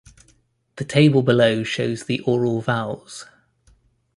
The table below shows the oral vowels.